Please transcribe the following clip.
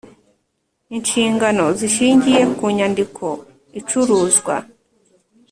Inshingano zishingiye ku nyandiko icuruzwa